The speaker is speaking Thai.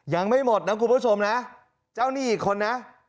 ยังไม่หมดนะคุณผู้ชมนะเจ้าหนี้อีกคนนะ